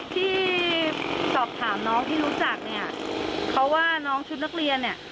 ที่สอบถามน้องที่รู้จักเนี่ยเขาว่าน้องชุดนักเรียนเนี่ย